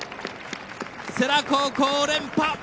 世羅高校、連覇！